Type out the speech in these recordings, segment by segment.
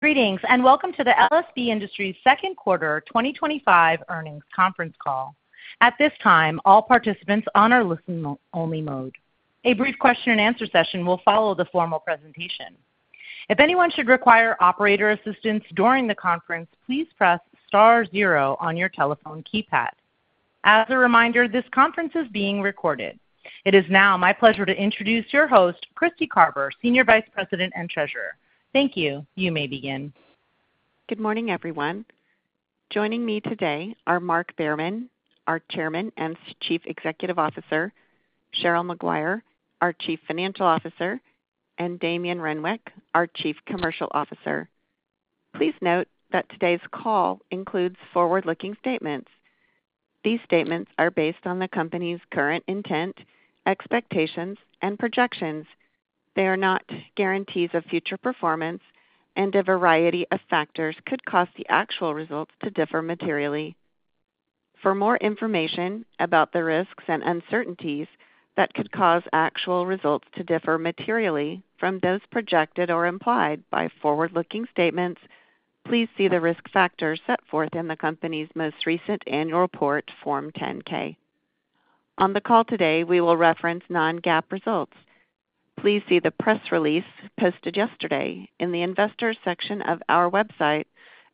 Greetings and welcome to the LSB Industries Second Quarter 2025 Earnings Conference all. At this time, all participants are on listen-only mode. A brief question and answer session will follow the formal presentation. If anyone should require operator assistance during the conference, please press star zero on your telephone keypad. As a reminder, this conference is being recorded. It is now my pleasure to introduce your host, Kristy Carver, Senior Vice President and Treasurer. Thank you. You may begin. Good morning, everyone. Joining me today are Mark Behrman, our Chairman and Chief Executive Officer, Cheryl Maguire, our Chief Financial Officer, and Damien Renwick, our Chief Commercial Officer. Please note that today's call includes forward-looking statements. These statements are based on the company's current intent, expectations, and projections. They are not guarantees of future performance, and a variety of factors could cause the actual results to differ materially. For more information about the risks and uncertainties that could cause actual results to differ materially from those projected or implied by forward-looking statements, please see the risk factors set forth in the company's most recent annual report, Form 10-K. On the call today, we will reference Non-GAAP results. Please see the press release posted yesterday in the Investors section of our website,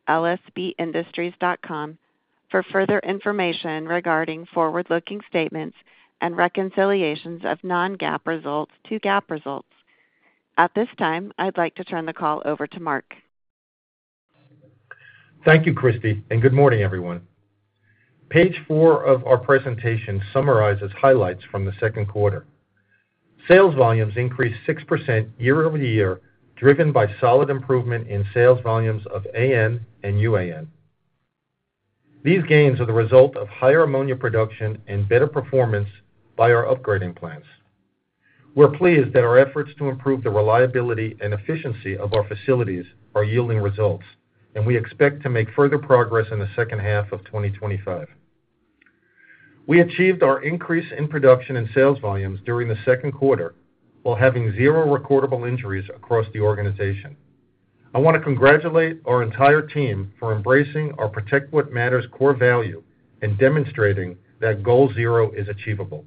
lsbindustries.com, for further information regarding forward-looking statements and reconciliations of Non-GAAP results to GAAP results. At this time, I'd like to turn the call over to Mark. Thank you, Kristy, and good morning, everyone. Page four of our presentation summarizes highlights from the second quarter. Sales volumes increased 6% year-over-year, driven by solid improvement in sales volumes of AN and UAN. These gains are the result of higher ammonia production and better performance by our upgrading plants. We're pleased that our efforts to improve the reliability and efficiency of our facilities are yielding results, and we expect to make further progress in the second half of 2025. We achieved our increase in production and sales volumes during the second quarter while having zero recordable injuries across the organization. I want to congratulate our entire team for embracing our Protect What Matters core value and demonstrating that Goal Zero is achievable.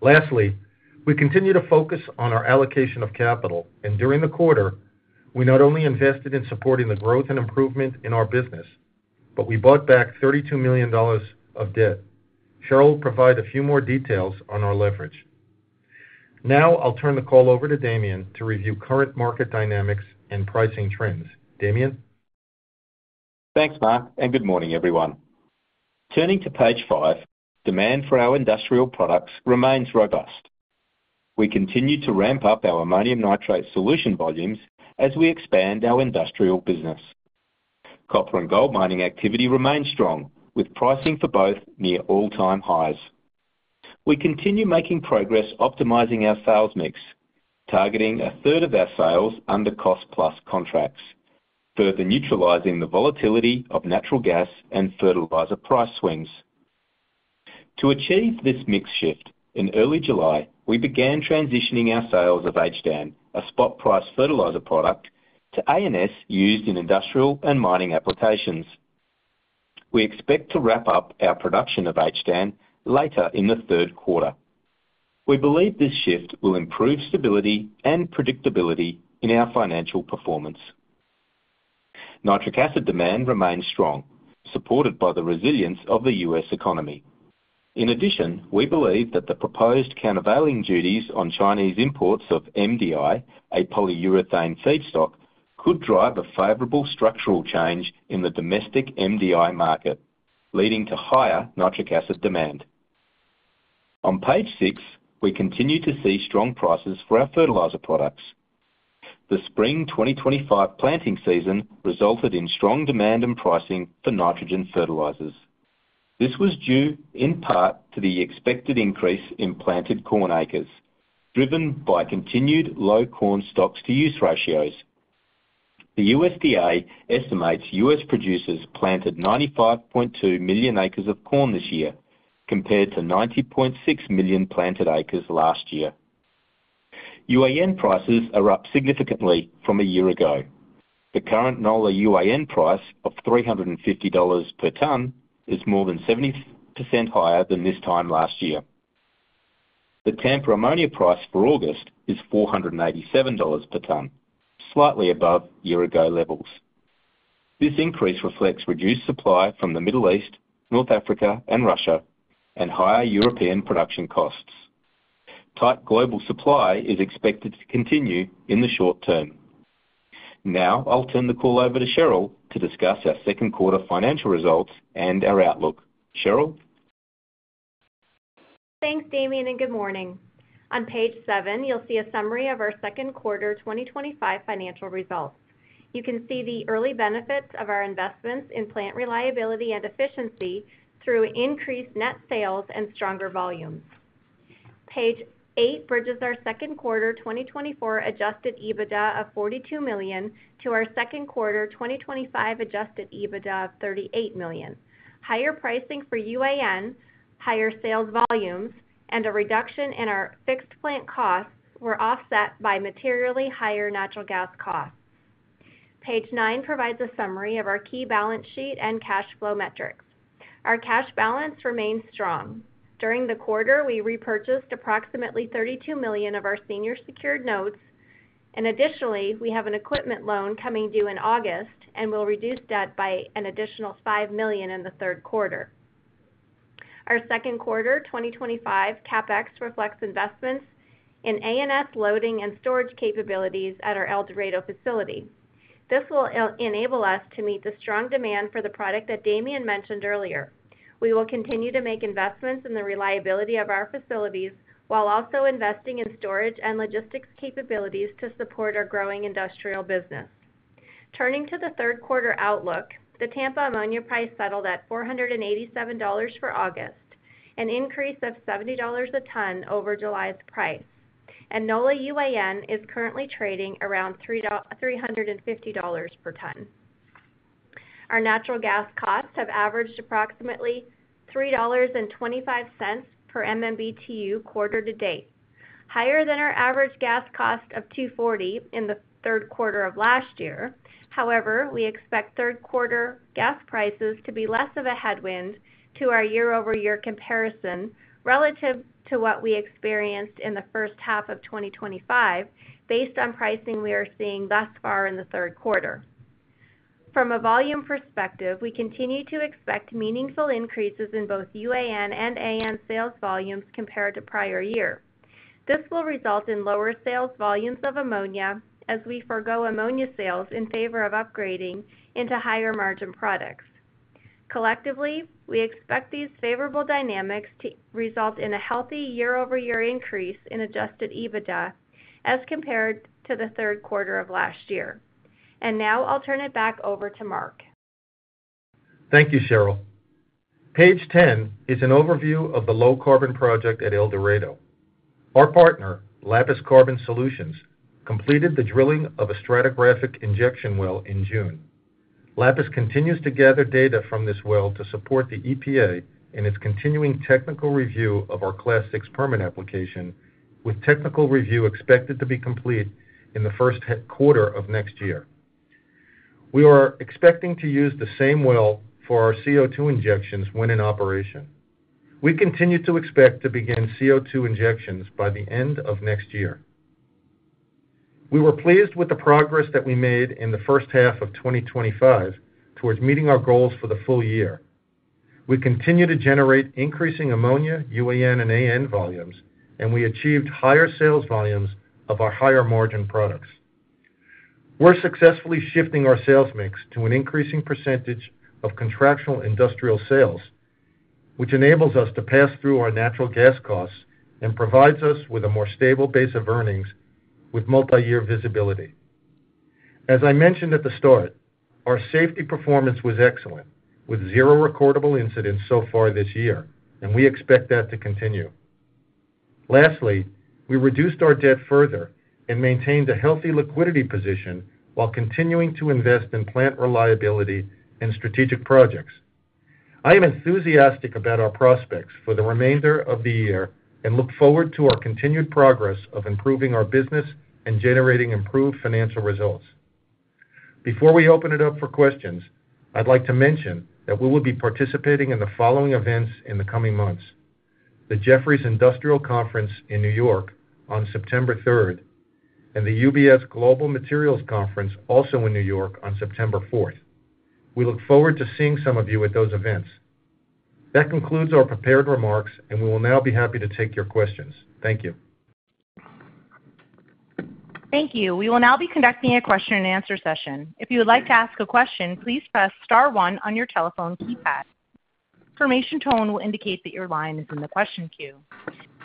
Lastly, we continue to focus on our allocation of capital, and during the quarter, we not only invested in supporting the growth and improvement in our business, but we bought back $32 million of debt. Cheryl will provide a few more details on our leverage. Now, I'll turn the call over to Damien to review current market dynamics and pricing trends. Damien. Thanks, Mark, and good morning, everyone. Turning to page five, demand for our industrial products remains robust. We continue to ramp up our ammonium nitrate solution volumes as we expand our industrial business. Copper and gold mining activity remains strong, with pricing for both near all-time highs. We continue making progress optimizing our sales mix, targeting a third of our sales under cost-plus contracts, further neutralizing the volatility of natural gas and fertilizer price swings. To achieve this mix shift, in early July, we began transitioning our sales of HDAN, a spot-priced fertilizer product, to ammonium nitrate solution used in industrial and mining applications. We expect to wrap up our production of HDAN later in the third quarter. We believe this shift will improve stability and predictability in our financial performance. Nitric acid demand remains strong, supported by the resilience of the U.S. economy. In addition, we believe that the proposed countervailing duties on Chinese imports of MDI, a polyurethane feedstock, could drive a favorable structural change in the domestic MDI market, leading to higher nitric acid demand. On page six, we continue to see strong prices for our fertilizer products. The spring 2025 planting season resulted in strong demand and pricing for nitrogen fertilizers. This was due in part to the expected increase in planted corn acres, driven by continued low corn stocks-to-use ratios. The USDA estimates U.S. producers planted 95.2 million acres of corn this year, compared to 90.6 million planted acres last year. UAN prices are up significantly from a year ago. The current NOLA UAN price of $350 per ton is more than 70% higher than this time last year. The Tampa ammonia price for August is $487 per ton, slightly above year-ago levels. This increase reflects reduced supply from the Middle East, North Africa, and Russia, and higher European production costs. Tight global supply is expected to continue in the short term. Now, I'll turn the call over to Cheryl to discuss our second quarter financial results and our outlook. Cheryl? Thanks, Damien, and good morning. On page seven, you'll see a summary of our second quarter 2025 financial results. You can see the early benefits of our investments in plant reliability and efficiency through increased net sales and stronger volumes. Page eight bridges our second quarter 2024 Adjusted EBITDA of $42 million to our second quarter 2025 Adjusted EBITDA of $38 million. Higher pricing for UAN, higher sales volumes, and a reduction in our fixed plant costs were offset by materially higher natural gas costs. Page nine provides a summary of our key balance sheet and cash flow metrics. Our cash balance remains strong. During the quarter, we repurchased approximately $32 million of our senior secured notes, and additionally, we have an equipment loan coming due in August and will reduce debt by an additional $5 million in the third quarter. Our second quarter 2025 CapEx reflects investments in ammonium nitrate solution loading and storage capabilities at our El Dorado facility. This will enable us to meet the strong demand for the product that Damien mentioned earlier. We will continue to make investments in the reliability of our facilities while also investing in storage and logistics capabilities to support our growing industrial business. Turning to the third quarter outlook, the Tampa ammonia price settled at $487 for August, an increase of $70 a ton over July's price, and NOLA UAN is currently trading around $350 per ton. Our natural gas costs have averaged approximately $3.25 per MMBtu quarter-to-date, higher than our average gas cost of $2.40 in the third quarter of last year. However, we expect third quarter gas prices to be less of a headwind to our year-over-year comparison relative to what we experienced in the first half of 2025, based on pricing we are seeing thus far in the third quarter. From a volume perspective, we continue to expect meaningful increases in both UAN and AN sales volumes compared to prior year. This will result in lower sales volumes of ammonia as we forego ammonia sales in favor of upgrading into higher margin products. Collectively, we expect these favorable dynamics to result in a healthy year-over-year increase in Adjusted EBITDA as compared to the third quarter of last year. I'll turn it back over to Mark. Thank you, Cheryl. Page 10 is an overview of the low-carbon project at El Dorado. Our partner, Lapis Carbon Solutions, completed the drilling of a stratigraphic injection well in June. Lapis continues to gather data from this well to support the EPA in its continuing technical review of our Class VI permit application, with technical review expected to be complete in the first quarter of next year. We are expecting to use the same well for our CO2 injections when in operation. We continue to expect to begin CO2 injections by the end of next year. We were pleased with the progress that we made in the first half of 2025 towards meeting our goals for the full year. We continue to generate increasing Ammonia, UAN, and AN volumes, and we achieved higher sales volumes of our higher-margin products. We're successfully shifting our sales mix to an increasing percentage of contract-based industrial sales, which enables us to pass through our natural gas costs and provides us with a more stable base of earnings with multi-year visibility. As I mentioned at the start, our safety performance was excellent, with zero recordable injuries so far this year, and we expect that to continue. Lastly, we reduced our debt further and maintained a healthy liquidity position while continuing to invest in plant reliability and strategic projects. I am enthusiastic about our prospects for the remainder of the year and look forward to our continued progress of improving our business and generating improved financial results. Before we open it up for questions, I'd like to mention that we will be participating in the following events in the coming months: the Jefferies Industrial Conference in New York on September third, and the UBS Global Materials Conference also in New York on September fourth. We look forward to seeing some of you at those events. That concludes our prepared remarks, and we will now be happy to take your questions. Thank you. Thank you. We will now be conducting a question and answer session. If you would like to ask a question, please press star one on your telephone keypad. An information tone will indicate that your line is in the question queue.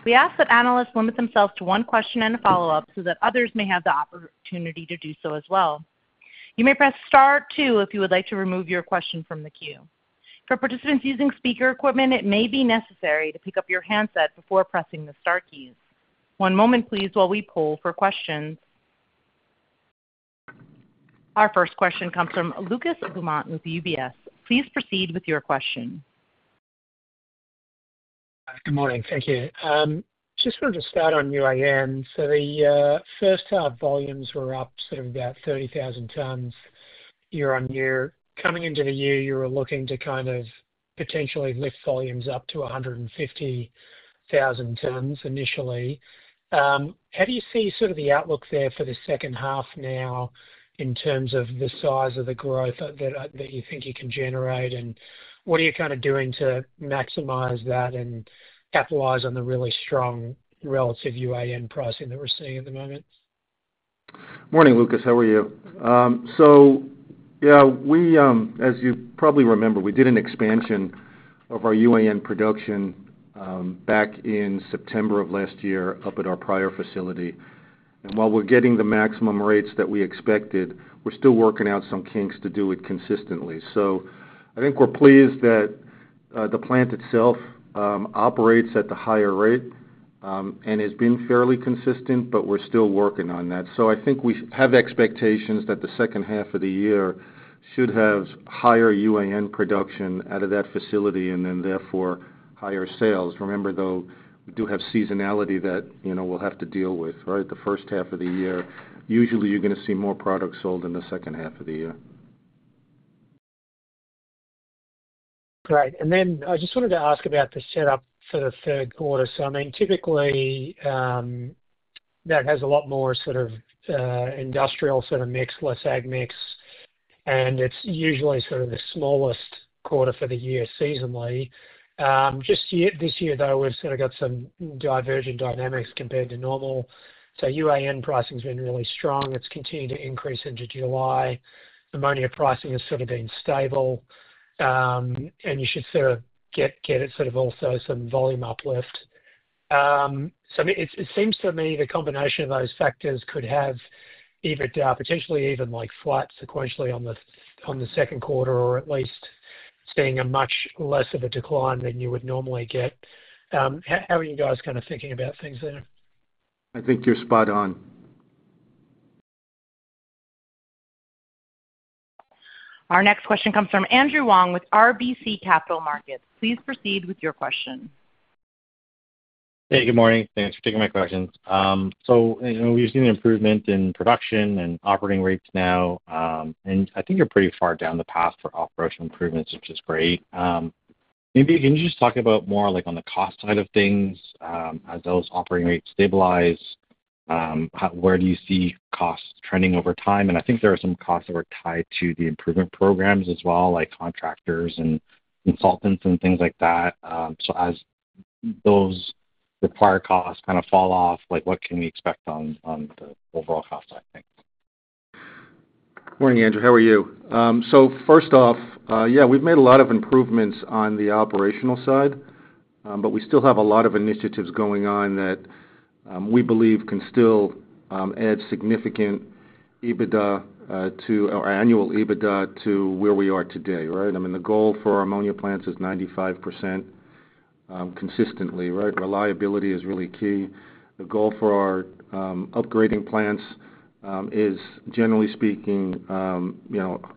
We ask that analysts limit themselves to one question and a follow-up so that others may have the opportunity to do so as well. You may press star two if you would like to remove your question from the queue. For participants using speaker equipment, it may be necessary to pick up your handset before pressing the star keys. One moment, please, while we pull for questions. Our first question comes from Lucas Beaumont with UBS. Please proceed with your question. Good morning. Thank you. I just wanted to start on UAN. In the first half, volumes were up about 30,000 tons year-on-year. Coming into the year, you were looking to potentially lift volumes up to 150,000 tons initially. How do you see the outlook there for the second half now in terms of the size of the growth that you think you can generate, and what are you doing to maximize that and capitalize on the really strong relative UAN pricing that we're seeing at the moment? Morning, Lucas. How are you? As you probably remember, we did an expansion of our UAN production back in September of last year up at our Pryor facility. While we're getting the maximum rates that we expected, we're still working out some kinks to do it consistently. I think we're pleased that the plant itself operates at the higher rate and has been fairly consistent, but we're still working on that. I think we have expectations that the second half of the year should have higher UAN production out of that facility and therefore higher sales. Remember, though, we do have seasonality that we'll have to deal with, right? The first half of the year, usually you're going to see more products sold in the second half of the year. Right. I just wanted to ask about the setup for the third quarter. Typically, that has a lot more industrial sort of mix, less ag mix, and it's usually the smallest quarter for the year seasonally. This year, though, we've got some divergent dynamics compared to normal. UAN pricing has been really strong. It's continued to increase into July. Ammonia pricing has been stable. You should also get some volume uplift. It seems to me the combination of those factors could have potentially even like flat sequentially on the second quarter, or at least seeing much less of a decline than you would normally get. How are you guys kind of thinking about things there? I think you're spot on. Our next question comes from Andrew Wong with RBC Capital Markets. Please proceed with your question. Hey, good morning. Thanks for taking my question. We've seen an improvement in production and operating rates now, and I think you're pretty far down the path for operational improvements, which is great. Maybe can you just talk about more like on the cost side of things? As those operating rates stabilize, where do you see costs trending over time? I think there are some costs that are tied to the improvement programs as well, like contractors and consultants and things like that. As those required costs kind of fall off, what can we expect on the overall cost side? Morning, Andrew. How are you? First off, we've made a lot of improvements on the operational side, but we still have a lot of initiatives going on that we believe can still add significant EBITDA to our annual EBITDA to where we are today, right? The goal for our ammonia plants is 95% consistently, right? Reliability is really key. The goal for our upgrading plants is, generally speaking,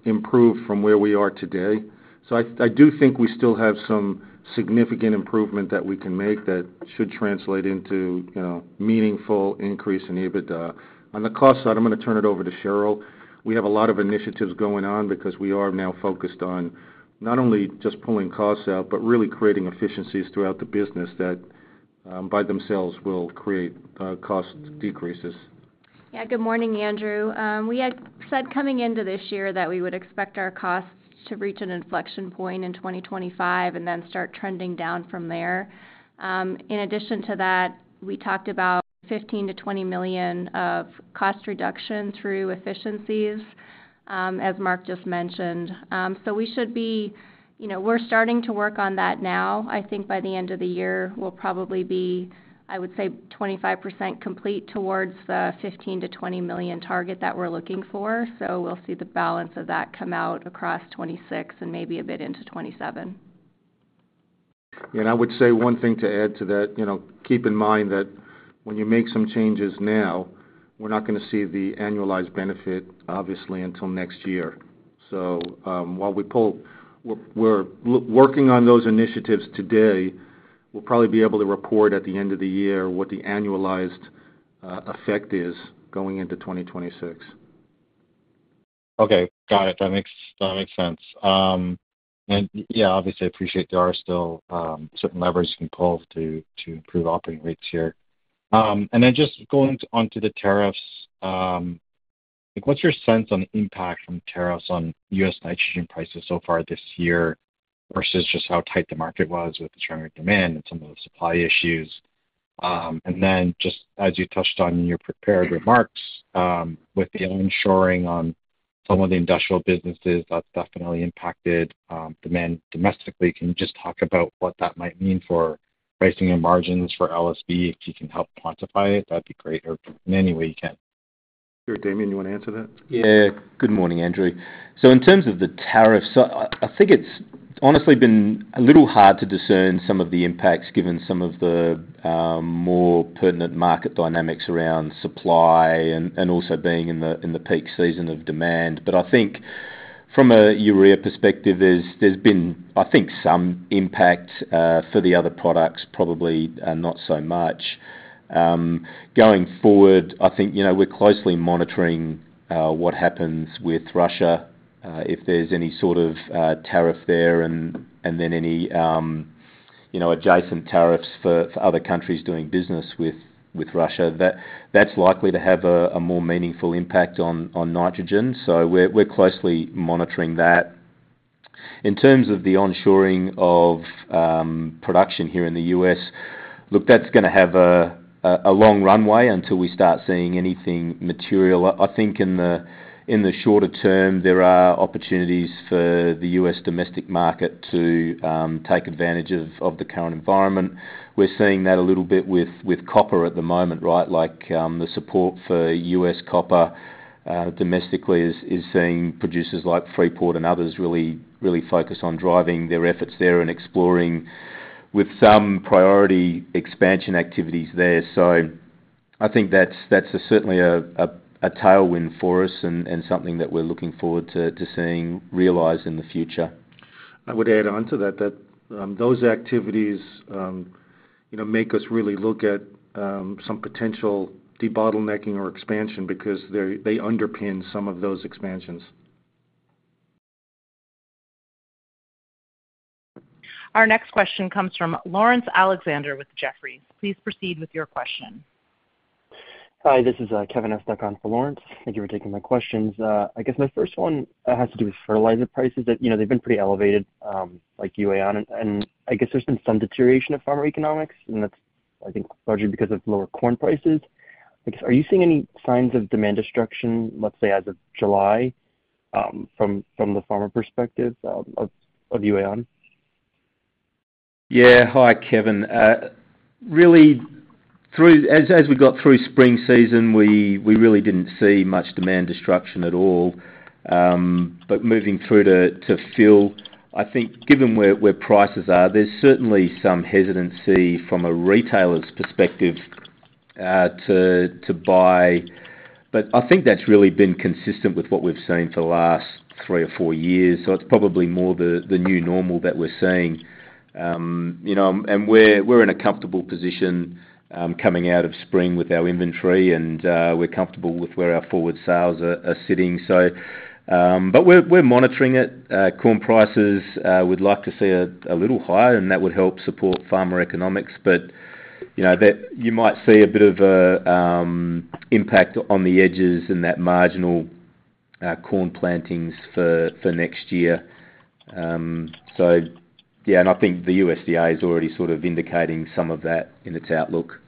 improved from where we are today. I do think we still have some significant improvement that we can make that should translate into meaningful increase in EBITDA. On the cost side, I'm going to turn it over to Cheryl. We have a lot of initiatives going on because we are now focused on not only just pulling costs out, but really creating efficiencies throughout the business that by themselves will create cost decreases. Yeah, good morning, Andrew. We had said coming into this year that we would expect our costs to reach an inflection point in 2025 and then start trending down from there. In addition to that, we talked about $15-$20 million of cost reduction through efficiencies, as Mark just mentioned. We should be, you know, we're starting to work on that now. I think by the end of the year, we'll probably be, I would say, 25% complete towards the $15-$20 million target that we're looking for. We'll see the balance of that come out across 2026 and maybe a bit into 2027. Yeah, I would say one thing to add to that, you know, keep in mind that when you make some changes now, we're not going to see the annualized benefit, obviously, until next year. While we're working on those initiatives today, we'll probably be able to report at the end of the year what the annualized effect is going into 2026. Okay. Got it. That makes sense. I appreciate there are still certain levers you can pull to improve operating rates here. Just going on to the tariffs, what's your sense on the impact from tariffs on U.S. nitrogen prices so far this year versus just how tight the market was with the generic demand and some of the supply issues? As you touched on in your prepared remarks, with the onshoring on some of the industrial businesses, that's definitely impacted demand domestically. Can you talk about what that might mean for pricing and margins for LSB Industries if you can help quantify it? That'd be great, or in any way you can. Sure. Damien, you want to answer that? Yeah. Good morning, Andrew. In terms of the tariffs, I think it's honestly been a little hard to discern some of the impacts given some of the more pertinent market dynamics around supply and also being in the peak season of demand. I think from a urea perspective, there's been, I think, some impacts. For the other products, probably not so much. Going forward, we're closely monitoring what happens with Russia, if there's any sort of tariff there and then any adjacent tariffs for other countries doing business with Russia. That's likely to have a more meaningful impact on nitrogen. We're closely monitoring that. In terms of the onshoring of production here in the U.S., that's going to have a long runway until we start seeing anything material. I think in the shorter term, there are opportunities for the U.S. domestic market to take advantage of the current environment. We're seeing that a little bit with copper at the moment, right? The support for U.S. copper domestically is seeing producers like Freeport-McMoRan and others really, really focus on driving their efforts there and exploring with some priority expansion activities there. I think that's certainly a tailwind for us and something that we're looking forward to seeing realized in the future. I would add on to that that those activities make us really look at some potential de-bottlenecking or expansion, because they underpin some of those expansions. Our next question comes from Lawrence Alexander with Jefferies. Please proceed with your question. Hi. This is Kevin Estok on for Lawrence. Thank you for taking my questions. I guess my first one has to do with fertilizer prices. You know, they've been pretty elevated, like UAN, and I guess there's been some deterioration of farmer economics, and that's, I think, largely because of lower corn prices. I guess, are you seeing any signs of demand destruction, let's say, as of July, from the farmer perspective of UAN? Yeah. Hi, Kevin. Really, as we got through Spring season, we really didn't see much demand destruction at all. Moving through to fill, I think, given where prices are, there's certainly some hesitancy from a retailer's perspective to buy. I think that's really been consistent with what we've seen for the last three or four years. It's probably more the new normal that we're seeing. You know, we're in a comfortable position coming out of spring with our inventory, and we're comfortable with where our forward sales are sitting. We're monitoring it. Corn prices would like to see a little higher, and that would help support farmer economics. You might see a bit of an impact on the edges in that marginal corn plantings for next year. I think the USDA is already sort of indicating some of that in its outlook.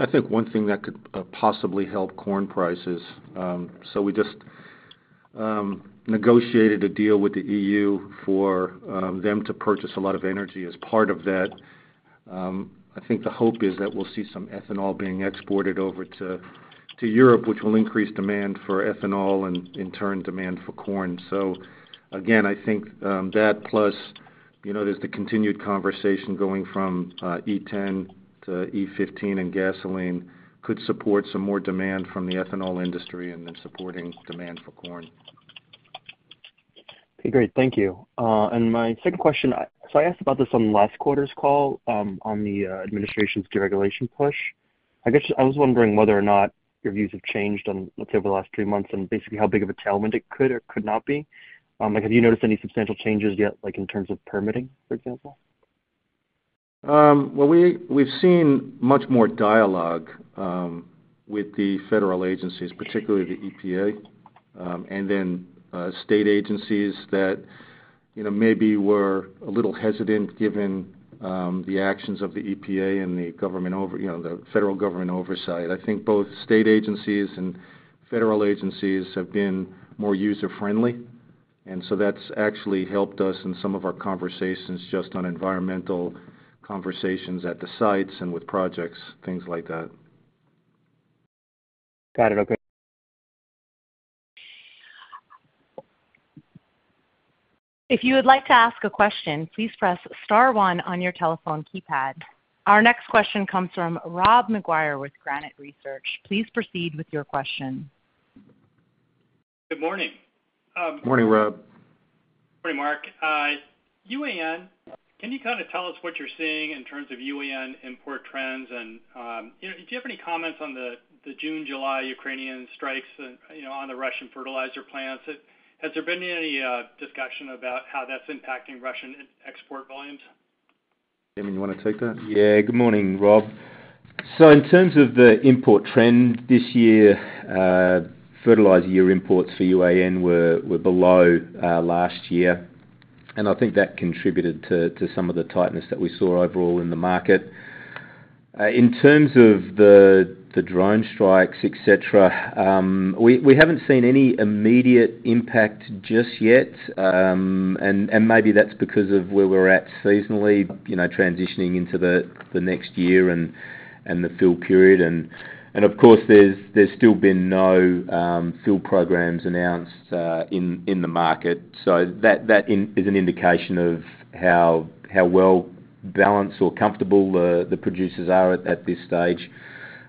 I think one thing that could possibly help corn prices is, we just negotiated a deal with the EU for them to purchase a lot of energy as part of that. I think the hope is that we'll see some ethanol being exported over to Europe, which will increase demand for ethanol and, in turn, demand for corn. I think that plus, you know, there's the continued conversation going from E10 to E15 in gasoline could support some more demand from the ethanol industry and then supporting demand for corn. Okay, great. Thank you. My second question, I asked about this on the last quarter's call on the administration's deregulation push. I was wondering whether or not your views have changed over the last three months and basically how big of a tailwind it could or could not be. Have you noticed any substantial changes yet, like in terms of permitting, for example? We have seen much more dialogue with the federal agencies, particularly the EPA, and then state agencies that maybe were a little hesitant given the actions of the EPA and the federal government oversight. I think both state agencies and federal agencies have been more user-friendly. That has actually helped us in some of our conversations just on environmental conversations at the sites and with projects, things like that. Got it. Okay. If you would like to ask a question, please press star one on your telephone keypad. Our next question comes from Rob McGuire with Granite Research. Please proceed with your question. Good morning. Morning, Rob. Morning, Mark. UAN. Can you kind of tell us what you're seeing in terms of UAN import trends? Do you have any comments on the June-July Ukrainian strikes on the Russian fertilizer plants? Has there been any discussion about how that's impacting Russian export volumes? Damien, you want to take that? Yeah. Good morning, Rob. In terms of the import trend this year, fertilizer year imports for UAN were below last year. I think that contributed to some of the tightness that we saw overall in the market. In terms of the drone strikes, etc., we haven't seen any immediate impact just yet. Maybe that's because of where we're at seasonally, you know, transitioning into the next year and the fill period. Of course, there's still been no fill programs announced in the market. That is an indication of how well balanced or comfortable the producers are at this stage.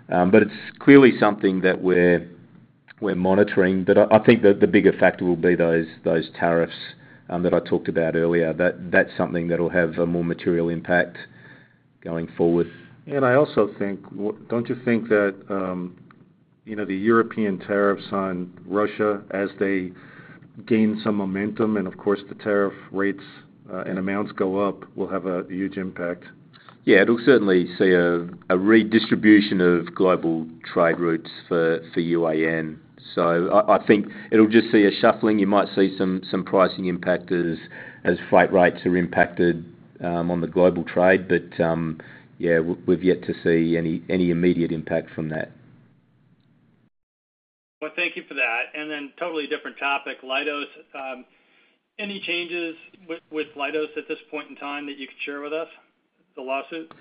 It's clearly something that we're monitoring. I think that the bigger factor will be those tariffs that I talked about earlier. That's something that will have a more material impact going forward. I also think, don't you think that the European tariffs on Russia, as they gain some momentum and, of course, the tariff rates and amounts go up, will have a huge impact? Yeah, it'll certainly see a redistribution of global trade routes for UAN. I think it'll just see a shuffling. You might see some pricing impact as freight rates are impacted on the global trade, but we've yet to see any immediate impact from that. Thank you for that. Totally different topic, Leidos. Any changes with Leidos at this point in time that you could share with us? The lawsuit?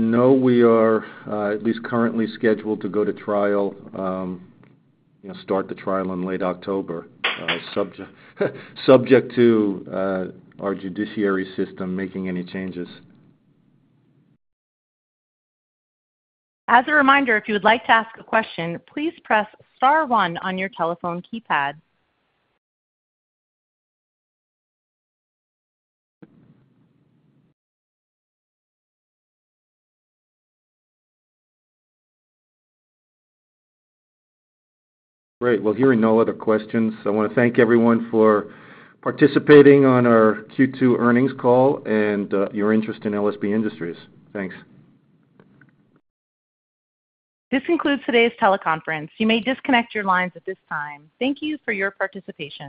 No, we are at least currently scheduled to go to trial, you know, start the trial in late October, subject to our judiciary system making any changes. As a reminder, if you would like to ask a question, please press star one on your telephone keypad. Great. Hearing no other questions, I want to thank everyone for participating on our Q2 earnings call and your interest in LSB Industries. Thanks. This concludes today's teleconference. You may disconnect your lines at this time. Thank you for your participation.